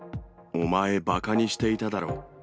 お前、ばかにしていただろ。